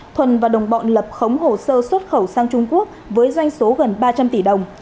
thuần và đồng bọn lập khống hồ sơ xuất khẩu sang trung quốc với doanh số gần ba trăm linh tỷ đồng